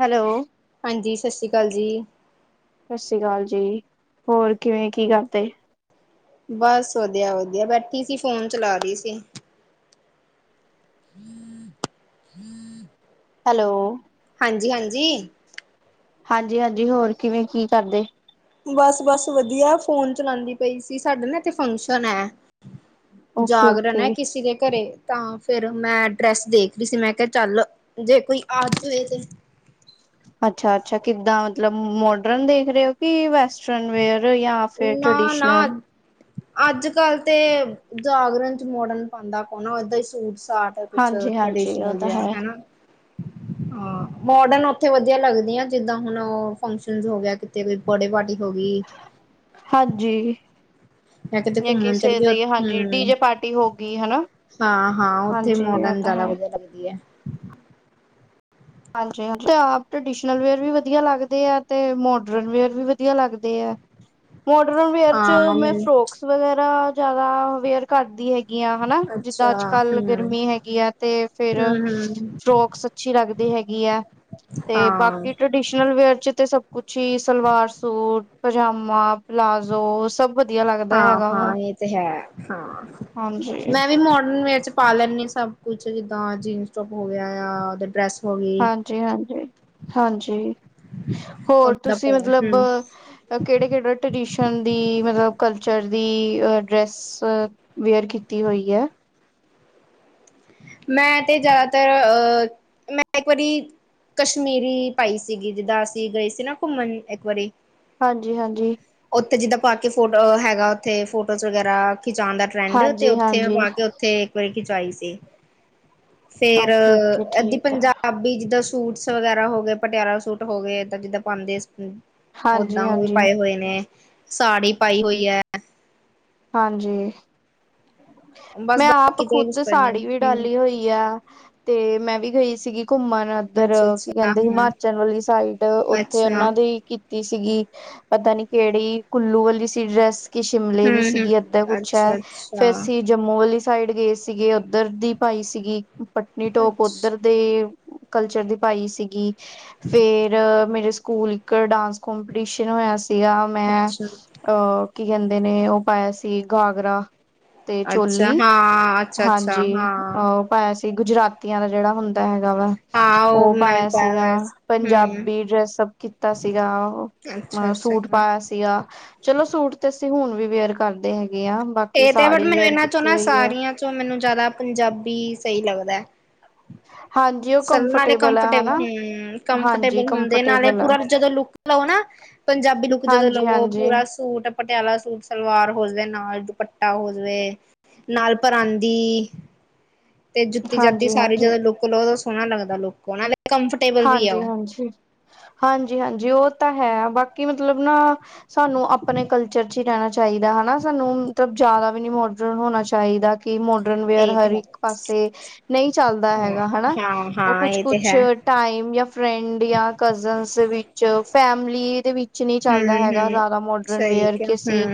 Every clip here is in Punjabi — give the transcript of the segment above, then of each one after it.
ਹੈਲੋ। ਹਾਂਜੀ, ਸਾਸਰੀ ਕਾਲ ਜੀ। ਸਾਸਰੀ ਕਾਲ ਜੀ। ਹੋਰ, ਕਿਵੇਂ ਕੀ ਕਰਦੇ? ਬਸ! ਵਧੀਆ, ਵਧੀਆ ਬੈਠੀ ਸੀ। ਫੋਨ ਚਲਾ ਰੀ ਸੀ। [inaudible] ਹੈਲੋ। ਹਾਂਜੀ, ਹਾਂਜੀ। ਹਾਂਜੀ, ਹਾਂਜੀ। ਹੋਰ, ਕਿਵੇਂ ਕੀ ਕਰਦੇ। ਬਸ, ਬਸ ਵਧੀਆ। ਫੋਨ ਚਲਾਂਦੀ ਪਈ ਸੀ। ਸਾਡੇ ਨਾ ਇਥੇ ਫੰਕਸ਼ਨ ਐ। ਜਾਗਰਨ ਓਕੇ-ਓਕੇ। ਐ ਕਿਸੇ ਦੇ ਘਰੇ। ਤਾਂ ਫਿਰ ਮੈਂ ਡਰੈਸ ਦੇਖ ਰਹੀ ਸੀ। ਮੈਂ ਕਿਹਾ- ਚੱਲ, ਜੇ ਕੋਈ ਆ ਜਾਵੇ ਤੇ ਅੱਛਾ, ਅੱਛਾ। ਕਿੱਦਾਂ ਮਤਲਬ ਮੋਡਰਨ ਦੇਖਰੇ ਓ ਕੇ ਵੈਸਟਰਨ ਵੇਅਰ ਯਾਂ ਨਾ, ਨਾ ਅੱਜ-ਕੱਲ ਤੇ ਜਾਗਰਨਚ ਮੋਡਰਨ ਪਾਂਦਾ ਕੌਨ ਆ, ਏਦਾਂ ਹੀ ਸੂਟ- ਸਾਟ ਉਦੇ ਚ ਹਾਂਜੀ-ਹਾਂਜੀ ਉਹ ਟਰਡੀਸ਼ਨਲ ਤਾਂ ਜੇਹਾ। ਹੈ, ਹਨਾ ਹਾਂ, ਮੋਡਨ ਓਥੇ ਵਧੀਆ ਲੱਗਦੀਆਂ ਜਿੱਦਾਂ ਹੁਨ ਫੰਕਸ਼ਨ ਹੋ ਗਿਆ। ਤੇ ਕੋਈ ਬਡੇ ਪਾਰਟੀ ਹੋ ਗੀ। ਹਾਂਜੀ, ਜਾਂ ਕਿਤੇ ਤੇ ਘੁੰਮਣ ਚੱਲ ਕਿਸੇ ਗਏ ਦੀ ਹਾਂਜੀ, ਡੀ ਹਮ ਜੇ ਪਾਰਟੀ ਹੋ ਗਈ ਹਨਾ। ਹਾਂ, ਹਾਂ। ਓਥੇ ਹਾਂਜੀ ਉਹ ਮੋਡਨ ਤਾਂ ਜਾਦਾ ਹੈ। ਵਧੀਆ ਲੱਗਦੀ ਏ। ਹਾਂਜੀ, ਹਾਂਜੀ। ਆਪ ਟਰਡੀਸਨਲ ਵੇਅਰ ਵੀ ਵਧੀਆ ਲੱਗਦੇ ਆ ਤੇ ਮੋਡਰਨ ਵੇਅਰ ਵੀ ਵਧੀਆ ਲੱਗਦੇ ਐ। ਮੋਡਰਨ ਵੇਅਰ ਚ ਹਾਂ ਮੈਂ ਮੈਨੂੰ ਫਰੋਕਸ ਵਗੈਰਾ ਜਾਦਾ ਵੇਅਰ ਕਰਦੀ ਹੈਗੀ ਆ। ਹਨਾ--ਜਿਦਾ ਅੱਛਾ ਅੱਜ-ਕੱਲ ਹਮ ਗਰਮੀ ਹੈਗੀ ਆ ਤੇ ਫੇਰ ਹਮ ਹਮ ਫਰੋਕਸ ਅੱਛੀ ਲੱਗਦੀ ਹੈਗੀ ਆ ਤੇ ਹਾਂ ਬਾਕੀ ਟ ਡੀਸ਼ਨਲ ਵੇਅਰ ਚ ਤੇ ਸਭ ਕੁਛ ਹੀ ਸਲਵਾਰ ਸੂਟ, ਪਜਾਮਾ, ਪਲਾਜ਼ੋ ਸਭ ਵਧੀਆ ਲੱਗਦਾ ਹਾਂ, ਹੈਗਾ ਵਾ ਹਾਂ। ਏ ਤੇ ਹੈ। ਹਾਂ, ਹਾਂਜੀ ਮੈਂ ਵੀ ਮੋਡਰਨ ਵੇਅਰ ਪਾ ਲੈਨੀ ਸਾਂ ਸਭ ਕੁਛ ਜਿੱਦਾਂ ਜੀਨਸ ਟੋਪ ਹੋ ਗਿਆ ਜਾਂ ਡਰੈਸ ਹੋ ਗਈ। ਜੀ ਹਾਂਜੀ, ਹਾਂਜੀ। ਹੋਰ ਓਦਾਂ ਤੁਸੀਂ ਮਤਲਬ ਹਮ ਕੇੜੇ, ਕੇੜੇ ਟਰਡੀਸ਼ਨਲ ਦੀ ਮਤਲਬ ਕਲਚਰ ਦੀ ਡਰੈਸ ਸ ਵੇਅਰ ਕੀਤੀ ਹੋਈ ਐ। ਮੈਂ ਤੇ ਜ਼ਿਆਦਾਤਰ ਅ ਮੈਂ ਇੱਕ ਵਰੀ ਕਸ਼ਮੀਰੀ ਪਾਈ ਸੀਗੀ, ਜਿੱਦਾਂ ਅਸੀਂ ਗਏ ਸੀ ਨਾ ਘੁੰਮਣ ਇੱਕ ਵਰੀ ਹਾਂਜੀ, ਹਾਂਜੀ। ਓਥੇ ਜਿੱਦਾਂ ਪਾ ਕੇ ਫੋਟੋ ਹੈਗਾ, ਓਥੇ ਫੋਟੋਜ਼ ਵਗੈਰਾ ਖਿਚਾਣ ਦਾ ਟਰੈਂਡ ਤੇ ਹਾਂਜੀ ਓਥੇ ਮੈਂ ਹਾਂਜੀ ਪਾ ਕੇ, ਓਥੇ ਇੱਕ ਵਾਰੀ ਖਿਚਾਈ ਸੀ। ਫੇਰ ਓਕੇ ਓਕੇ ਅ ਏਦੀ ਠੀਕ ਹੈ ਪੰਜਾਬੀ ਜਿੱਦਾਂ ਸੂਟਸ ਵਗੈਰਾ ਹੋ ਗਏ। ਪਟਿਆਲਾ ਸੂਟ ਹੋ ਗਏ। ਇਦਾਂ-ਜਿੱਦਾਂ ਪਾਂਦੇ ਹਾਂਜੀ ਓਦਾਂ ਓ ਹਾਂਜੀ ਪਾਏ ਹੋਏ ਨੇ, ਸਾੜੀ ਪਾਈ ਹੋਈ ਐ। ਹਾਂਜੀ ਬਸ ਮੈਂ ਆਪ ਬਾਕੀ ਤੇ ਕੁਛ ਖੁਦ ਟ੍ਰੇਨਿੰਗ ਸਾੜੀ ਵੀ ਹਮ ਡਾਲੀ ਹੋਈ ਆ ਤੇ ਮੈਂ ਵੀ ਗਈ ਸੀਗੀ। ਘੁੰਮਣ ਇੱਧਰ ਅੱਛਾ ਕੀ ਅੱਛਾ ਕਹਿੰਦੇ ਹਮ ਹਿਮਾਚਲ ਵਾਲੀ ਸਾਈਡ ਓਥੇ ਅੱਛਾ ਓਨਾਂ ਦੀ ਸੀਗੀ। ਪਤਾ ਨੀ ਕੇੜੀ ਕੁੱਲੂ ਵਾਲੀ ਸੀ ਡਰੈਸ ਕਿ ਸ਼ਿਮਲੇ ਹਮ ਦੀ ਹਮ ਸੀਗੀ। ਅੱਦਾਂ ਕੁਛ ਐ। ਅੱਛਾ ਫੇਰ ਅੱਛਾ ਅਸੀਂ ਜੰਮੂ ਵਾਲੀ ਸਾਈਡ ਗਏ ਸੀਗੇ ਉੱਧਰ ਦੀ ਪਾਈ ਸੀਗੀ। ਪਟਨੀ ਟੋਪ ਅੱਛਾ ਓਦਰ ਦੇ ਕਲਚਰ ਦੀ ਪਾਈ ਸੀਗੀ, ਫੇਰ ਮੇਰੇ ਸਕੂਲ ਇੱਕ ਡਾਂਸ ਕੌਂਪੀਟੀਸ਼ਨ ਹੋਇਆ ਸੀਗਾ, ਮੈਂ ਅੱਛਾ ਅਹ ਕੀ ਕਹਿੰਦੇ ਨੇ ਓ ਪਾਇਆ ਸੀ ਘਾਗਰਾ, ਤੇ ਅੱਛਾ ਚੋਲੀ, ਹਾਂ ਅੱਛਾ ਅੱਛਾ ਹਾਂਜੀ, ਹਾਂ ਅਹ ਪਾਇਆ ਸੀ, ਗੁਜਰਾਤੀਆਂ ਦਾ ਜਿਹੜਾ ਹੁੰਦਾ ਹੈਗਾ ਵਾ। ਹਾਂ ਉਹ ਮੈਂ ਵੀ ਪਾਇਆ ਸੀਗਾ, ਹੋਇਆ ਸੀ। ਹਮ ਪੰਜਾਬੀ ਡਰੈਸਅੱਪ ਕੀਤਾ ਸੀਗਾ। ਅ ਅੱਛਾ-ਅੱਛਾ ਸੂਟ [unintelligible] ਪਾਇਆ ਸੀਗਾ, ਚਲੋ ਸੂਟ ਤੇ ਅਸੀਂ ਹੁਣ ਵੀ ਵੀਅਰ ਕਰਦੇ ਹੈ ਹੈਗੇ ਆਂ, ਬਾਕੀ ਸਾੜੀ ਵੇਅਰ ਕੀਤੀ ਹੋਈ ਆ। ਇਹ'ਚ ਹੁਨ ਮੈਨੂੰ ਜ਼ਿਆਦਾ ਪੰਜਾਬੀ ਸਹੀ ਲੱਗਦੈ। ਹਾਂਜੀ ਉਹ ਸਭ ਨਾਲੇ ਹੈ ਕੰਫਰਟੇਬਲ, ਹਨਾ ਹੂੰ, ਹਾਂਜੀ ਕੰਫਰਟੇਬਲ ਹੁੰਦੇ ਨਾਲੇ ਕੰਫਰਟੇਬਲ ਹੈ ਪੂਰਾ ਜਦੋਂ ਲੁੱਕ ਲਵੋ ਨਾ, ਪੰਜਾਬੀ ਲੁੱਕ ਜਦੋਂ ਹਾਂਜੀ ਲਵੋ, ਹਾਂਜੀ ਪੂਰਾ ਸੂਟ ਪਟਿਆਲਾ ਸੂਟ ਸਲਵਾਰ ਹੋ ਜਵੇ, ਉਸ ਨਾਲ ਦੁਪੱਟਾ ਹੋ ਜਵੇ, ਨਾਲ ਪਰਾਂਦੀ ਤੇ ਜੁੱਤੀ-ਜਾਤੀ ਹਾਂਜੀ ਸਾਰੀ ਹਾਂਜੀ ਜਦੋਂ ਲੁੱਕ ਲਓ, ਤਾ ਸੋਹਣਾ ਲੱਗਦਾ ਲੁੱਕ, ਨਾਲੇ ਕੰਫਰਟ ਹਾਂਜੀ-ਹਾਂਜੀ, ਹਾਂਜੀ-ਹਾਂਜੀ ਉਹ ਤਾਂ ਹੈ ਬਾਕੀ ਮਤਲਬ ਨਾ ਸਾਨੂੰ ਆਪਣੇ ਕਲਚਰ'ਚ ਰਹਿਣਾ ਚਾਹੀਦਾ ਹਨਾ ਸਾਨੂੰ, ਮਤਲਬ ਜ਼ਿਆਦਾ ਵੀ ਨਹੀਂ ਮੋਡਰਨ ਹੋਣਾ ਚਾਹੀਦਾ। ਮੋਡਰਨ ਵੀਅਰ ਇਹ ਹਰ ਤੇ ਇੱਕ ਪਾਸੇ ਨਹੀਂ ਚੱਲਦਾ ਹੈ ਹੈਗਾ, ਹਣਾ, ਉਹ ਹਾਂ-ਹਾਂ ਇਹ ਤੇ ਕੁਛ-ਕੁਛ ਹੈ ਟਾਇ ਯਾ ਫਰੈਂਡ ਯਾ ਕਜ਼ਨ ਦੇ ਵਿੱਚ ਫੈਮਲੀ ਦੇ ਵਿੱਚ ਨਹੀਂ ਚੱਲਦਾ ਹੈਗਾ, ਹੂੰ-ਹੂੰ ਜ਼ਿਆਦਾ ਮੌਡ ਸਹੀ ਰਨ-ਵੀਅਰ ਕਿਹਾ ਕੇ ਸੀ। ਹੂੰ।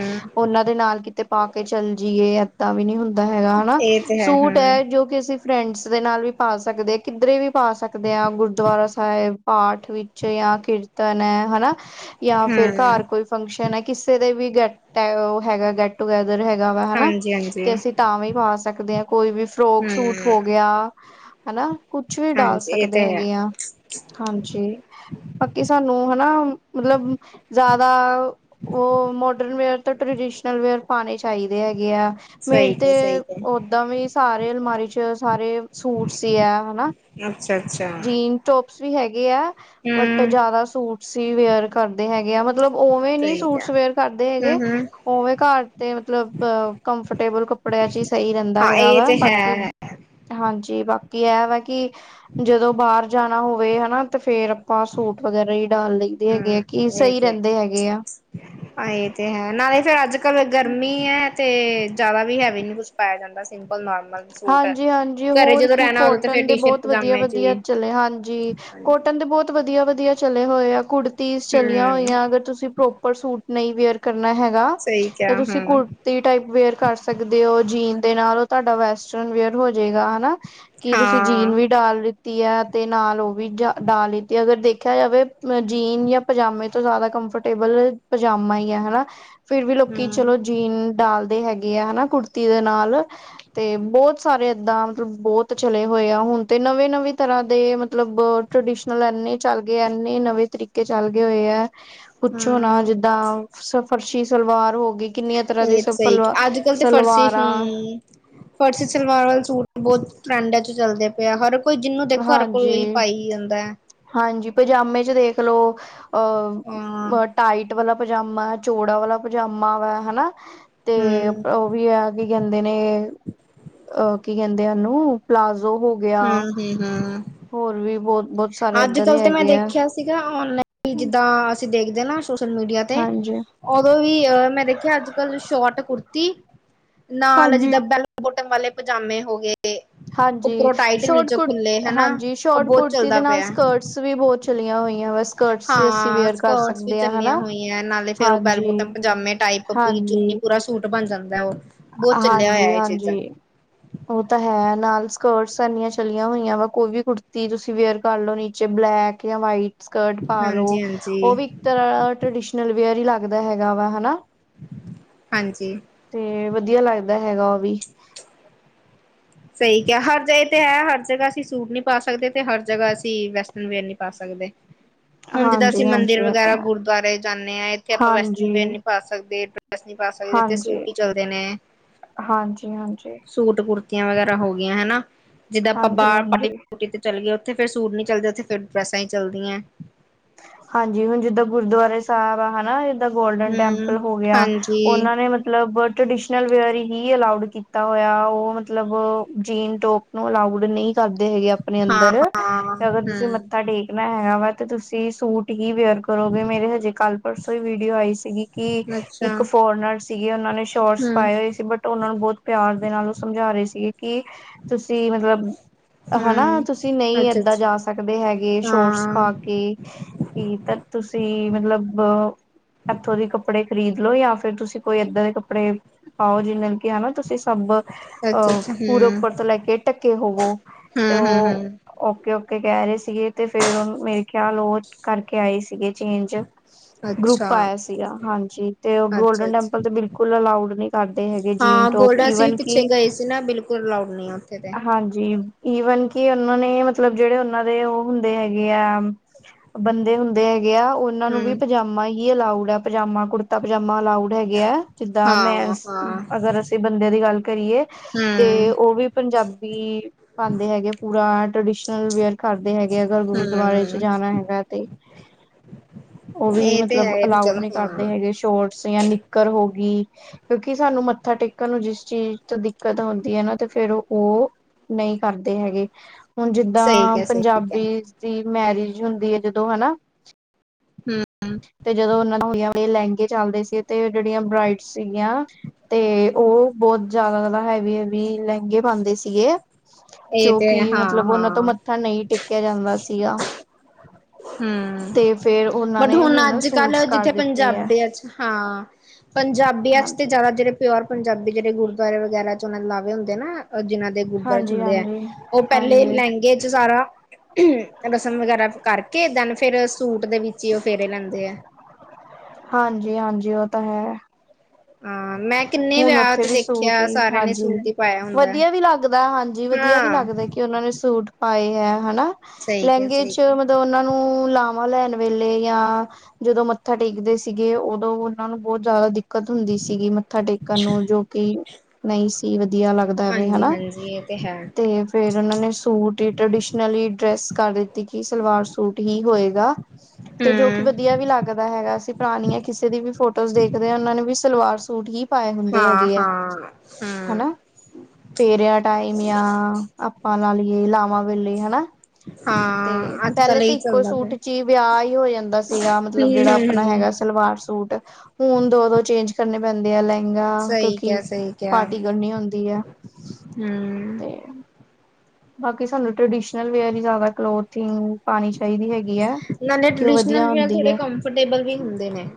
ਓਹਨਾਂ ਦੇ ਨਾਲ ਕਿਤੇ ਪਾਕੇ ਚੱਲ ਜੀਏ, ਏਦਾਂ ਵੀ ਨੀ ਹੁੰਦਾ ਹੈਗਾ ਹਨਾ, ਇਹ ਤੇ ਹੈ ਸੂਟ ਹੂੰ ਐ ਜੋ ਅਸੀਂ ਫਰੈਂਡਸ ਦੇ ਨਾਲ ਵੀ ਪਾ ਸਕਦੇ, ਕਿੱਧਰੇ ਵੀ ਪਾ ਸਕਦੇ ਆਂ। ਗੁਰਦੁਆਰਾ ਸਾਹਿਬ, ਪਾਠ ਵਿੱਚ ਯਾ ਕੀਰਤਨ ਐ, ਹਨਾ ਯਾ ਫਿਰ ਹਮ ਘਰ ਕੋਈ ਫੰਕਸ਼ਨ ਐ ਕਿਸੇ ਦੇ ਵੀ, ਗੈਟ ਓ ਹੈਗਾ, ਗੈਟ ਟੂਗੈਦਰ ਹੈਗਾ ਵਾ ਹਨਾ। ਹਾਂਜੀ ਹਾਂਜੀ ਤੇ ਅਸੀਂ ਤਾਂ ਵੀ ਪਾ ਸਕਦੇ ਆ, ਕੋਈ ਵੀ ਫਰੋਕ ਸੂਟ ਹੋ ਹਮ ਗਿਆ। ਹਨਾ, ਕੁਛ ਵੀ ਡਾਲ ਹਾਂਜੀ ਇਹ ਤੇ ਸਕਦੇ ਹੈ ਹੈਗੇ ਆ, ਹਾਂਜੀ। ਬਾਕੀ, ਸਾਨੂੰ ਹਨਾ ਮਤਲਬ ਜ਼ਿਆਦਾ ਉਹ, ਮੋਡਰਨ ਵੇਅਰ ਤੋਂ ਟ੍ਰਡੀਸ਼ਨਲ ਵੇਅਰ ਪਾਣੇ ਚਾਹੀਦੇ ਹੈਗੇ ਆ। ਸਹੀ ਮੇਰੇ ਕਿਹਾ ਸਹੀ ਤੇ, ਕਿਹਾ ਓਦਾਂ ਵੀ ਸਾਰੇ ਅਲਮਾਰੀ 'ਚ ਸਾਰੇ ਸੂਟਸ ਯਾ, ਹਨਾ। ਅੱਛਾ-ਅੱਛਾ। ਜੀਨ ਟੋਪਸ ਵੀ ਹੈਗੇ ਆ। ਬਟ ਹਮ ਜ਼ਿਆਦਾ ਸੂਟਸ ਈ ਵੇਅਰ ਕਰਦੇ ਹੈਗੇ ਆਂ, ਮਤਲਬ ਓਵੇਂ ਨੀ ਸਹੀ ਕਿਹਾ ਸੂਟਸ ਵੇਅਰ ਕਰਦੇ ਹੈਗੇ। ਹਮ ਹਮ ਓਵੇਂ ਘਰ ਤੇ ਮਤਲਬ, ਕੰਫਰਟੇਬਲ ਕੱਪੜਿਆਂ 'ਚ ਈ ਸਹੀ ਰਹਿੰਦਾ ਹਾਂ ਹੈਗਾ ਇਹ ਵਾ, ਤੇ ਬਾਕੀ ਹੈ ਹਾਂਜੀ, ਬਾਕੀ ਐ ਵਾ ਕਿ ਜਦੋਂ ਬਾਹਰ ਜਾਣਾ ਹੋਵੇ, ਹਨਾ ਤੇ ਫੇਰ ਆਪਾਂ ਸੂਟ ਵਗੈਰਾ ਈ ਡਾਲ ਲਈਦੇ ਹੈਗੇ ਆ, ਕਿ ਹਮ ਇਹ ਸਹੀ ਤੇ ਰਹਿੰਦੇ ਹੈਗੇ ਆ। ਹਾਂ ਇਹ ਤੇ ਹੈ, ਨਾਲੇ ਫਿਰ ਅੱਜ-ਕੱਲ ਗਰਮੀ ਐ, ਤੇ ਜ਼ਿਆਦਾ ਵੀ ਹੈਵੀ ਨੀ ਕੁਛ ਪਾਇਆ ਜਾਂਦਾ। ਸਿੰਪਲ, ਨਾਰਮ ਹਾਂਜੀ-ਹਾਂਜੀ, ਹੋਰ ਕੀ ਉਦੋਂ ਤੇ ਕੋਟਨ ਫੇਰ ਦੇ ਟੀ ਸ਼ਰਟ ਬਹੁਤ ਪਜਾਮੇ ਚ ਵਧੀਆ-ਵਧੀਆ ਹੀ ਚਲੇ ਹਾਂਜੀ, ਹਾਂਜੀ ਕੋਟਨ ਦੇ ਬਹੁਤ ਵਧੀਆ-ਵਧੀਆ ਚਲੇ ਹੋਏ ਆ, ਕੁੜਤੀਸ ਚਲੀਆਂ ਹਮ ਹੋਈਆਂ, ਅਗਰ ਤੁਸੀਂ ਪ੍ਰੋਪਰ ਸੂਟ ਨਹੀਂ ਵੇਅਰ ਕਰਨਾ ਹੈਗਾ, ਸਹੀ ਤੇ ਕਿਹਾ ਤੁਸੀਂ ਹਮ ਕੁੜ ਤੀ ਟਾਈਪ ਵੇਅਰ ਕਰ ਸਕਦੇ ਓ, ਜੀਨ ਦੇ ਨਾਲ ਉਹ ਤੁਹਾਡਾ ਵੈਸਟਰਨ-ਵੇਅਰ ਹੋਜੇਗਾ, ਹਨਾ। ਕੀ ਤੁਸੀਂ ਜੀਨ ਹਾਂ ਵੀ ਡਾਲ ਲੀਤੀ ਐ, ਤੇ ਨਾਲ ਉਹ ਵੀ ਡਾਲ ਲੀਤੀ, ਅਗਰ ਦੇਖਿਆ ਜਾਵੇ ਅ ਜੀਨ ਯਾ ਪਜਾਮੇ ਤੋਂ ਜ਼ਿਆਦਾ ਕੰਫਰਟੇਬਲ, ਪਜਾਮਾ ਈ ਐ‌ ਹਨਾ। ਫਿਰ ਵੀ ਲੋਕੀ ਹਮ ਚਲੋ, ਜੀਨ ਡਾਲਦੇ ਹੈਗੇ ਆ ਹਨਾ ਕੁੜਤੀ ਦੇ ਨਾਲ, ਤੇ ਬਹੁਤ ਸਾਰੇ ਐਦਾਂ, ਮਤਲਬ ਬਹੁਤ ਚਲੇ ਹੋਏ ਆ, ਹੁਣ ਤੇ ਨਵੀਂ- ਨਵੀਂ ਤਰ੍ਹਾਂ ਦੇ ਮਤਲਬ ਟਰਡੀਸ਼ਨਲ ਇੰਨੀ ਚੱਲ ਗਈ, ਇੰਨੇ ਨਵੇਂ ਤਰੀਕ ਕੇ ਚਲ ਗਏ ਹੋਏ ਐ, ਪੁਛੋ ਨਾ ਹਮ ਜਿੱਦਾਂ, ਸਫਰਸ਼ੀ ਸਲਵਾਰ ਹੋ ਗਈ। ਕਿੰਨੀਆਂ ਤਰ੍ਹਾਂ ਦੀਆਂ, ਇਹ ਸ ਸਹੀ ਫਲਵ ਸਲਵਾਰਾਂ। ਫਰਸ਼ੀ ਸਲਵਾਰ ਵਾਲੇ ਸੂਟ, ਬਹੁਤ ਟਰੈਂਡਾਂ 'ਚ ਚੱਲਦੇ ਪਏ ਆ ਹਰ ਕੋਈ ਜਿਹਨੂੰ ਦੇਖੋ ਹਰ ਕੋਈ ਇਹੀ ਹਾਂਜੀ ਪਾਈ ਜਾਂਦਾ। ਹਾਂਜੀ, ਪਜਾਮੇ 'ਚ ਦੇਖ ਲਓ। ਹਾਂ ਅਹ ਹਮ ਹਟ ਟਾਈਟ ਵਾਲਾ ਪਜਾਮਾ, ਚੌੜਾ ਵਾਲਾ ਪਜਾਮਾ, ਗਾ ਹਨਾ ਤੇ ਓ ਵੀ ਆ ਕੀ ਕਹਿੰਦੇ ਨੇ, ਕੀ ਕਹਿੰਦੇ ਉਹਨੂੰ ਪਲਾਜ਼ੋ ਹੋ ਗਿਆ ਹਮ ਹੀ ਹਾਂ। ਹੋਰ ਵੀ ਬਹੁਤ- ਬਹੁਤ ਸਾਰੇ, ਐਦਾਂ ਦੇ ਹੈਗੇ ਆ। ਦੇਖਿਆ ਸੀਗਾ, ਔਨਲਾਈਨ ਜਿੱਦਾਂ ਅਸੀਂ ਦੇਖਦੇ ਨਾ, ਸੋਸ਼ਲ ਮੀਡੀਆ ਤੇ। ਹਾਂਜੀ। ਉਦੋਂ ਵੀ ਅ ਮੈਂ ਦੇਖਿਆ ਅੱਜ- ਕੱਲ ਸ਼ੋਟ -ਕੁੜਤੀ, ਨਾਲ ਜਿੱਦਾਂ ਹਾਂਜੀ। ਵੈਲ ਬੋਟਮ ਵਾਲੇ ਪਜਾਮੇ ਹੋਗੇ ਏ ਹਾਂਜੀ, ਸ਼ੋਟ ਕੁ, ਹਨਾ ਹਾਂਜੀ ਉਹ ਸ਼ੋਟ- ਬਹੁਤ ਕੁੜਤੀ ਦੇ ਚੱਲਦਾ ਨਾਲ ਪਿਆ ਸਕਰਟ ਟਸ ਵੀ ਬਹੁਤ ਚਲੀਆਂ ਹੋਈਆਂ ਬਸ ਹਾਂ, ਸਕਰਟਸ ਵੀ ਚੱਲੀਆਂ ਹਨਾ, ਹੋਈਆਂ, ਨਾਲੇ ਫਿਰ ਉਹ ਹਾਂਜੀ, ਬੈਲਬੋਟਨ ਪਜਾਮੇ ਟਾਈਪ, ਪੂਰੀ ਚੁੰਨੀ, ਹਾਂਜੀ, ਪੂਰਾ ਸੂ ਸੂਟ ਬਣ ਜਾਂਦਾ ਓ, ਬਹੁਤ ਚੱਲਿਆ ਹਾਂਜੀ, ਹੋਇਆ ਇਹ ਚੀਜ਼ਾਂ। ਹਾਂਜੀ। ਉਹ ਤਾਂ ਹੈ, ਲਾਲ ਸਕਰਟਸ ਐਨੀਆਂ ਚਲੀਆਂ ਹੋਈਆਂ ਵਾ, ਕੋਈ ਵੀ ਕੁੜਤੀ ਤੁਸੀਂ ਵੇਅਰ ਕਰ ਲਓ, ਨੀਚੇ ਬਲੈਕ ਕੈ ਵਾਈਟ ਸਕਰਟ ਪਾ ਲੋ, ਹਾਂਜੀ ਹਾਂਜੀ ਉਹ ਵੀ ਤ ਟਰਡੀਸ਼ਨਲ ਵੇਅਰ ਹੀ ਲੱਗਦਾ ਹੈਗਾ ਵਾ, ਹਨਾ। ਹਾਂਜੀ। ਤੇ ਵਧੀਆ ਲੱਗਦਾ ਹੈਗਾ ਓ ਵੀ। ਸਹੀ ਕਿਹਾ ਹਰ ਜਗਏ ਤੇ ਐ, ਹਰ ਜਗ੍ਹਾ ਅਸੀਂ ਸੂਟ ਨਹੀਂ ਪਾ ਸਕਦੇ ਤੇ ਹਰ ਜਗ੍ਹਾ ਅਸੀਂ ਵੈਸਟਨ ਵੇਅਰ ਨਹੀਂ ਪਾ ਸਕਦੇ। [inaudible] ਹੁਣ ਜਿੱਦਾਂ ਅਸੀਂ ਹਾਂਜੀ, ਹਾਂਜੀ ਮੰਦਿਰ ਇਹ ਤਾਂ ਵਗੈਰਾ ਹੈ। ਗੁਰੂਦੁਆਰੇ ਜਾਂਦੇ ਆਂ। ਇੱਥੇ ਆਪਾਂ ਵੈਸ਼ਟਨ ਹਾਂਜੀ, ਵੇਅਰ ਨੀ ਪਾ ਸਕਦੇ ਇਕ ਡ੍ਰੈੱਸ ਨੀ ਪਾ ਸਕਦੇ ਨੇ, ਇਥੇ ਹਾਂਜੀ, ਸੂਟ ਹੀ ਚੱਲਦੇ ਨੇ। ਹਾਂਜੀ, ਹਾਂਜੀ। ਸੂਟ ਕੁੜਤੀਆਂ ਵਗੈਰਾ ਹੋ ਗਈਆਂ ਹੈ ਨਾ, ਜਿੱਦਾਂ ਆਪਾਂ ਹਾਂਜੀ ਬਾਹਰ ਪਟੀ ਹਾਂਜੀ ਪਟੀਤ ਚੱਲ ਗਏ, ਉੱਥੇ ਫਿਰ ਸੂਟ ਨੀ ਚਲਦੇ, ਉਥੇ ਫਿਰ ਡਰੈਸਾਂ ਹੀ ਚੱਲਦੀਆਂ। ਹਾਂਜੀ ਹੁਣ ਜਿੱਦਾਂ ਗੁਰਦੁਆਰੇ ਸਾਹਿਬ ਆ, ਹਨਾ ਇ ਜਿਦਾ ਗੋਲਡਨ ਟੈਂਪਲ ਹੂੰ, ਹੋ ਗਿਆ, ਹਾਂਜੀ, ਉਹਨਾਂ ਨੇ ਮਤਲਬ ਟ੍ਰਡੀਸ਼ਨਲ ਵੇਅਰ ਹੀ ਅਲਾਊਡ ਕੀਤਾ ਹੋਇਆ, ਉਹ ਮਤਲਬ ਜੀਨ ਟੋਪ ਨੂੰ ਅਲਾਊਡ ਨੀ ਕਰਦੇ ਹੈਗੇ ਆਪਣੇ ਅੰਦਰ, ਹਾਂ-ਹਾਂ, ਅਗਰ ਤੁਸੀਂ ਮ ਹੂੰ। ਮੱਥਾ ਟੇਕਣਾ ਹੈਗਾ ਵਾ, ਤੇ ਤੁਸੀਂ ਸੂਟ ਹੀ ਵੇਅਰ ਕਰੋਗੇ, ਮੇਰੇ ਹਜੇ ਕੱਲ ਪਰਸੋਂ ਹੀ ਵੀਡੀਓ ਆਈ ਸੀਗੀ ਕਿ ਅੱਛਾ, ਇੱਕ ਫੋਰਨਰ ਸੀਗੇ, ਉਹਨਾਂ ਨੇ ਸ਼ੋਰਟਸ ਹੂੰ-ਹੂੰ, ਪਾਏ ਹੋਏ ਸੀ ਬਟ ਬਟ ਉਹਨਾਂ ਨੂੰ ਬਹੁਤ ਪਿਆਰ ਦੇ ਨਾਲ ਉਹ ਸਮਝਾ ਰਹੇ ਸੀਗੇ, ਕਿ ਤੁਸੀਂ ਮਤਲਬ ਹਨਾ, ਤੁਸੀਂ ਨਹੀਂ ਅੱਛਾ-ਅੱਛਾ। ਐਦਾਂ ਜਾ ਸਕਦੇ ਹੈਗੇ ਸ਼ੋਰਟਸ ਹਾਂ, ਪਾ ਕੇ ਕੀ ਤਕ ਤੁਸੀਂ ਮਤਲਬ ਇੱਥੋਂ ਦੇ ਕੱਪੜੇ ਖਰੀਦ ਲੋੋ ਜਾਂ ਫੇਰ ਤੁਸੀਂ ਕੋਈ ਐਦਾਂ ਦੇ ਕੱਪੜੇ ਪਾਓ, ਜਿਵੇਂ ਕਿ ਹਨਾ ਤੁਸੀਂ ਸਭ ਅਹ, ਅੱਛਾ-ਅੱਛਾ, ਪੂਰੇ ਹੂੰ, ਉੱਪਰ ਤੋਂ ਲੈ ਕੇ ਢੱਕੇ ਹੋਵੋ, ਤੇ ਓ ਹੂੰ-ਹੂੰ-ਹੂੰ, ਓਕੇ- ਓਕੇ ਕਹਿ ਰਹੇ ਸੀਗੇ, ਤੇ ਫਿਰ ਉਹ ਮੇਰੇ ਖਿਆਲ ਉਹ ਕਰਕੇ ਆਏ ਸੀਗੇ ਚੇਂਜ ਗਰੁੱਪ ਅੱਛਾ। ਆਇਆ ਸੀਗਾ, ਹਾਂਜੀ ਤੇ ਉਹ ਗੋਲਡਨ ਟੈਂਪਲ ਅੱਛਾ-ਅੱਛਾ, ਤੇ ਬਿਲਕੁਲ ਅਲਾਊਡ ਨੀ। ਤਾਡੇ ਹੈਗੇ ਜੀਨ ਹਾਂ ਟੋਪ ਗੋਲਡਾ ਅਸੀਂ ਈਵਨ ਵੀ ਕਿ, ਪਿੱਛੇ ਗਏ ਸੀ ਨਾ ਬਿਲਕੁਲ ਅਲਾਊਡ ਨੀ ਆ ਉੱਥੇ ਤੇ। ਹਾਂਜੀ ਈਵਨ ਕਿ ਉਹਨਾਂ ਨੇ ਮਤਲਬ ਜਿਹੜੇ ਉਹਨਾਂ ਦੇ ਉਹ ਹੁੰਦੇ ਹੈਗੇ ਆ ਬੰਦੇ ਹੁੰਦੇ ਹੈਗੇ ਆ ਉਹਨਾਂ ਨੂੰ ਵੀ ਹੂੰ, ਪਜਾਮਾ ਹੀ ਅਲਾਉਡ ਆ, ਪਜਾਮਾ ਕੁੜਤਾ ਪਜਾਮਾ ਅਲਾਉ ਹੈਗੇ ਆ ਜਿੱਦਾਂ ਮੈਂ ਹਾਂ-ਹਾਂ, ਅਗਰ ਅਸੀਂ ਬੰਦੇ ਦੀ ਗੱਲ ਕਰੀਏ। ਤੇ ਹੂੰ। ਓ ਵੀ ਪੰਜਾਬੀ ਪਾਦੇ ਹੈਗੇ, ਪੂਰਾ ਐ ਟ੍ਰਡੀਸ਼ਨਲ ਵੇਅਰ ਕਰਦੇ ਹੈਗੇ ਅਗਰ ਗੁਰਦੁਆਰੇ ਚ ਹੂੰ, ਜਾਣਾ ਹੈਗਾ। ਤੇ ਉਹ ਵੀ ਇਹ ਤੇ ਮਤਲਬ ਹੈ ਇਹ ਤੇ ਅਲਾਉਡ ਚਲੋ ਨ ਕਰਦੇ ਹਾਂ, ਹੈਗੇ ਸ਼ੋਰ [unintelligible] ਨਿੱਕਰ ਹੋਗੀ। ਕਿਉਂਕਿ ਸਾਨੂੰ ਮੱਥਾ ਟੇਕਣ ਨੂੰ ਜਿਸ ਚੀਜ਼ ਤੋਂ ਦਿੱਕਤ ਆਉਂਦੀ ਹੈ ਨਾ ਤੇ ਫਿਰ ਓ ਨਹੀਂ ਕਰਦੇ ਹੈਗੇ। ਹੁਣ ਜਿੱਦਾਂ ਸਹੀ ਕਿਹਾ ਸਹੀ ਕਿਹਾ। ਪੰਜਾਬੀ ਦੀ ਮੈਰਿਜ ਹੁੰਦੀ ਹੈ ਜਦੋਂ ਹਨਾ ਹੂੰ, ਤੇ ਜਦੋਂ ਉਹਨਾਂ ਨੂੰ [unintelligible] ਲਹਿੰਗੇ ਚ ਆਦੀਆਂ ਸੀ ਤੇ ਜਿਹੜੀਆਂ ਬਰਾਈਡ ਸੀਗੀਆਂ ਤੇ ਓ ਬਹੁਤ ਜ਼ਿਆਦਾ- ਜ਼ਿਆਦਾ ਹੈਵੀ- ਹੈਵੀ ਲਹਿੰਗੇ ਪਾਦੇ ਸੀਗੇ। ਇਹ ਜੋ ਤੇ ਕਿ ਮਤਲਬ ਉਹਨਾਂ ਤੋਂ ਹਾਂ-ਹਾਂ, ਮੱਥਾ ਨਈ ਟੇਕਿਆ ਜਾਂਦਾ ਸੀਗਾ। ਹੂੰ। ਤੇ ਫੇਰ ਉਹਨਾਂ ਬਟ ਨੇ ਹੁਣ ਅੱਜ ਸੂਟਸ ਕੱਲ ਕਰ ਜਿੱਥੇ ਦਿੱਤੇ ਹੈ ਪੰਜਾਬੀਆਂ ਚ ਹਾਂ, ਪੰਜਾਬੀਆਂ ਚ ਹਾਂਜੀ ਤੇ ਜ਼ਿਆਦਾ ਜਿਹੜੇ ਪਿਓਰ ਪੰਜਾਬੀ ਜਿਹੜੇ ਗੁਰਦੁਆਰੇ ਵਗੈਰਾ ਚ ਉਹਨਾਂ ਲਾਵੇ ਹੁੰਦੇ ਨਾ ਜਿਨ੍ਹਾਂ ਜਿਹੜੇ ਗੁਰਦੁਆਰੇ ਚ ਹਾਂਜੀ ਹੁੰਦੇ ਐ, ਹਾਂਜੀ ਉਹ ਪਹਿਲੇ ਹਾਂਜੀ ਲਹਿੰਗੇ ਚ ਸਾਰਾ ਰਸਮ ਵਗੈਰਾ ਕਰ ਕਿਹ ਦਿਨ ਫੇਰ ਸੂਟ ਦੇ ਵਿੱਚ ਹੀ ਉਹ ਫੇਰੇ ਲੈਂਦੇ ਆ। ਹਾਂਜੀ -ਹਾਂਜੀ ਓ ਤਾਂ ਹੈ। ਹਾਂ ਮੈਂ ਕਿੰਨੇ ਹੁਣ ਵਿਆਹ ਉੱਥੇ ਤੇ ਵੀ ਸੂਟ ਦੇਖਿਆ ਈ, ਸਾਰਿਆਂ ਨੇ ਹਾਂਜੀ ਸੂਟ ਹੀ ਪਾਇਆ ਹੁੰਦਾ ਵਧੀਆ ਵੀ ਲੱਗ ਲੱਗਦਾ ਹਾਂਜੀ ਵਧੀਆ ਵੀ ਹਾਂ ਲੱਗਦਾ ਕਿ ਉਹਨਾਂ ਨੇ ਸੂਟ ਪਾਏ ਹੈ ਹਨਾ, ਸਹੀ ਕਿਹਾ ਲਹਿੰਗੇ ਸਹੀ ਚ ਕਿਹਾ ਮਤਲਬ ਨੂੰ ਲ ਲਾਵਾਂ ਲੈਣ ਵੇਲੇ ਜਾਂ ਜਦੋਂ ਮੱਥਾ ਟੇਕਦੇ ਸੀਗੇ ਉਦੋਂ ਉਹਨਾਂ ਨੂੰ ਬਹੁਤ ਜ਼ਿਆਦਾ ਦਿੱਕਤ ਹੁੰਦੀ ਸੀਗੀ। ਮੱਥਾ ਟੇਕਣ ਨੂੰ ਜੋ ਕਿ ਨਈ ਸੀ ਵਧੀਆ ਲੱਗਦਾ ਐਵੇ ਹਾਂਜੀ ਹਨਾ ਹਾਂਜੀ ਇਹ ਤੇ ਹੈ ਤੇ ਫਿਰ ਉਹਨਾਂ ਨੇ ਸੂਟ ਈ ਟ੍ਰਡੀਸ਼ਨਲੀ ਡਰੈਸ ਕਰ ਦਿੱਤੀ, ਕੀ ਸਲਵਾਰ ਸੂਟ ਹੀ ਹੋਏਗਾ। ਤੇ ਜੋ ਕੀ ਹਮ ਵਧੀਆ ਵੀ ਲੱਗਦਾ ਹੈਗਾ ਸੀ, ਪੁਰਾਣੀਆ ਕਿਸੇ ਦੀ ਵੀ ਫੋਟੋਜ਼ ਦੇਖਦੇ ਆ, ਉਹਨਾ ਨੇ ਵੀ ਸਲਵਾਰ ਸੂਟ ਹੀ ਪਾਏ ਹੁੰਦੇ ਹਾਂ ਹੈਗੇ ਐ, ਹਾਂ ਹਾਂ ਹਨਾ। ਫੇਰਿਆ ਟਾਇਮ ਜਾਂ ਆਪਾਂ ਲਾ ਲਈਏ ਲਾਵਾਂ ਵੇਲੇ ਹਨਾ ਹਾਂ। ਤੇ ਅੱਜ ਪਹਿਲੇ ਕੱਲ ਤੇ ਇਹੀ ਇੱਕੋ ਚੱਲਦਾ ਪਿਆ ਸੂਟ ਚ ਈ ਵਿਆਹ ਈ ਹੋ ਜਾਂਦਾ ਸੀਗਾ, ਹੂੰ ਮਤਲਬ ਜਿਹੜਾ ਹੂੰ ਆਪਣਾ ਹੂੰ ਹੈਗਾ ਸਲਵਾਰ ਸੂਟ, ਹੁਣ ਦੋ- ਦੋ ਚੇਂਜ ਕਰਨੇ ਪੈਂਦੇ ਆ, ਲਹਿੰਗਾ ਸਹੀ ਕਿਉਂਕਿ ਕਿਹਾ ਸਹੀ ਕਿਹਾ ਪਾਰਟੀ ਕਰਨੀ ਹੁੰਦੀ ਆ। ਹੂੰ। ਤੇ ਬਾਕੀ ਸਾਨੂੰ ਟ੍ਰਡੀਸ਼ਨਲ ਵੇਅਰ ਈ ਜ਼ਿਆਦਾ ਕਲੋਥਿੰਗ ਪਾਣੀ ਚਾਹੀਦੀ ਹੈਗੀ ਐ, ਨਾਲੇ ਕਿ ਉਹ ਟ੍ਰਡੀਸ਼ਨਲ ਵਧੀਆ ਵੀ ਹੁੰਦੀ ਥੋੜੇ ਆ। ਕੰਫਰਟੇਬਲ ਵੀ ਹੁੰਦੇ ਨੇ।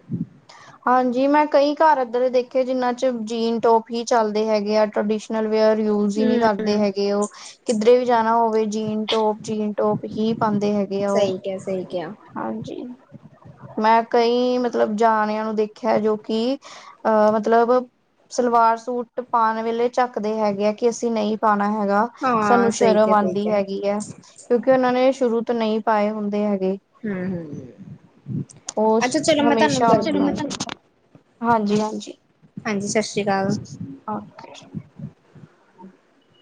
ਹਾਂਜੀ ਮੈਂ ਕਈ ਘਰ ਇੱਦਾ ਦੇ ਦੇਖੇ, ਜਿਨਾਂ ਚ ਜੀਨ ਟੋਪ ਹੀ ਚੱਲਦੇ ਹੈਗੇ ਆ। ਟਰਡੀਸ਼ਨ -ਨਲ ਵੇਅਰ ਯੂਜ ਈ ਨੀ ਕਰਦੇ ਹੂੰ ਹੈਗੇ ਓ ਕਿੱਧਰੇ ਵੀ ਜਾਣਾ ਹੋਵੇ ਜੀਨ ਟੋਪ- ਜੀਨ ਟੋਪ ਹੀ ਪਾਂਦੇ ਹੈਗੇ ਆ ਓ। ਸਈ ਕਿਆ। ਹਾਂਜੀ, ਮੈਂ ਕਈ ਮਤਲਬ ਜਾਣਿਆਂ ਨੂੰ ਦੇਖਿਆ ਜੋ ਕਿ ਅਹ ਮਤਲਬ ਸਲਵਾਰ ਸੂਟ ਪਾਣ ਵੇਲੇ ਝਾਕਦੇ ਹੈਗੇ ਆ, ਕਿ ਅਸੀਂ ਨਹੀਂ ਪਾਣਾ ਹੈਗਾ। ਹਾਂ ਸਾਨੂੰ ਸਹੀ ਸ਼ਰਮ ਕਿਹਾ ਸਹੀ ਆਦੀ ਕਿਹਾ ਹੈਗੀ ਐ, ਕਿਉਂਕਿ ਉਹਨਾਂ ਨੇ ਸ਼ੁਰੂ ਤੋਂ ਨਹੀਂ ਪਾਏ ਹੁੰਦੇ ਹੈਗੇ। ਹੂੰ, ਅੱਛਾ ਚਲੋ ਮੈਂ ਤਾਨੂੰ [unintelligible] ਹਾਂਜੀ-ਹਾਂਜੀ। ਹਾਂਜੀ ਸਸ ਸ਼੍ਰੀ ਕਾਲ। ਔਰ ਕੀ [inaudible]